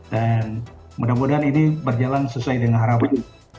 dan mudah mudahan ini berjalan sesuai dengan harapan